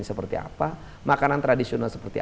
seperti apa makanan tradisional seperti